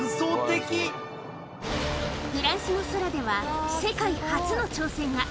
フランスの空では、世界初の挑戦が。